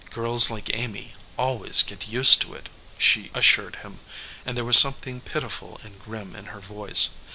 "Girls like Amy always get used to it," she as sured him, and there was something pitiful and grim in her voice.